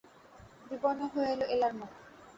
বিবর্ণ হয়ে এল এলার মুখ।